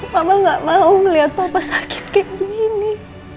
mama gak mau liat papa sakit kayak begini